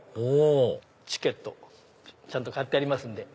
ほおチケットちゃんと買ってあります